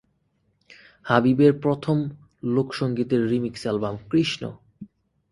হাবিবের প্রথম লোকসঙ্গীতের remix album "Krishna".